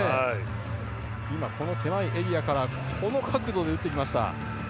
この狭いエリアからこの角度で打ってきました。